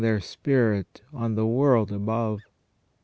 225 their spirit on the world above.